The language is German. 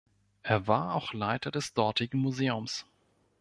Er war auch Leiter des dortigen Museums.